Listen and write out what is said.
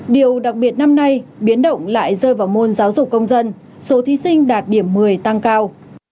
điều đặc biệt năm nay biến động lại rơi vào môn giáo dục công dân số thí sinh đạt điểm một mươi tăng cao